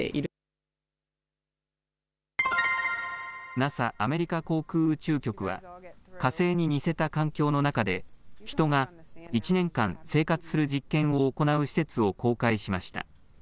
ＮＡＳＡ・アメリカ航空宇宙局は火星に似せた環境の中で人が１年間、生活する実験を行う施設を公開しました。